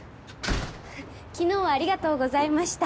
昨日はありがとうございました